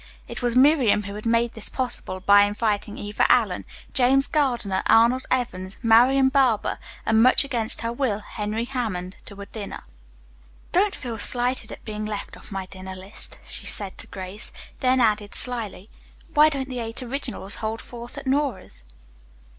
It was Miriam who had made this possible by inviting Eva Allen, James Gardiner, Arnold Evans, Marian Barber, and much against her will, Henry Hammond, to a dinner. "Don't feel slighted at being left off my dinner list," she said to Grace, then added slyly, "Why don't the eight originals hold forth at Nora's?"